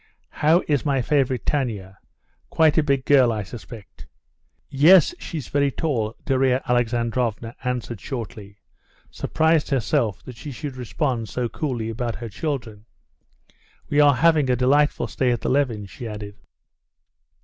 How is my favorite, Tanya? Quite a big girl, I expect?" "Yes, she's very tall," Darya Alexandrovna answered shortly, surprised herself that she should respond so coolly about her children. "We are having a delightful stay at the Levins'," she added.